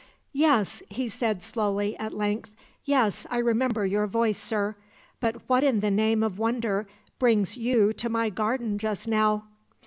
"'Yes,' he said slowly, at length; 'yes; I remember your voice, sir. But what in the name of wonder brings you to my garden just now?'